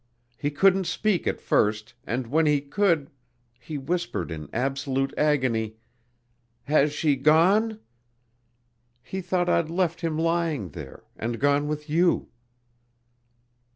He couldn't speak at first and when he could ... he whispered in absolute agony, 'Has she gone?' He thought I'd left him lying there and gone with you."